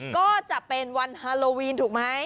ก็จะเป็นวันฮาโลวีนถูกไหม